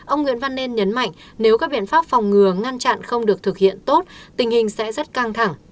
ông nguyễn văn nên nhấn mạnh nếu các biện pháp phòng ngừa ngăn chặn không được thực hiện tốt tình hình sẽ rất căng thẳng